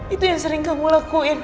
itu yang sering kamu lakuin